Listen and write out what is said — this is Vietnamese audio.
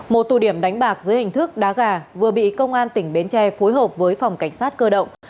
một tụ điểm đánh bạc dưới hình thức đá gà vừa bị công an tỉnh bến tre phối hợp với phòng cảnh sát cơ động